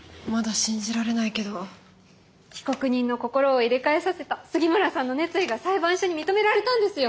被告人の心を入れ替えさせた杉村さんの熱意が裁判所に認められたんですよ。